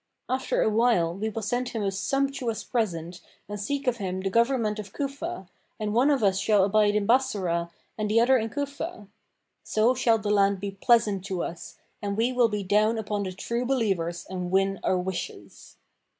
After awhile, we will send him a sumptuous present and seek of him the government of Cufah, and one of us shall abide in Bassorah and the other in Cufah. So shall the land be pleasant to us and we will be down upon the True Believers and win our wishes."